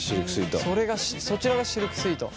そちらがシルクスイート。